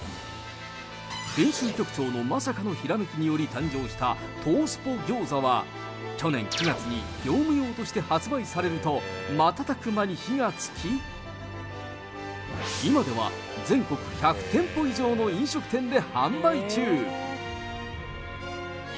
編集局長のまさかのひらめきにより、誕生した東スポ餃子は、去年９月に業務用として発売されると、瞬く間に火がつき、今では全国１００店舗以上の飲食店で販売中。